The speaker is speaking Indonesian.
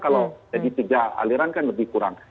kalau jadi tiga aliran kan lebih kurang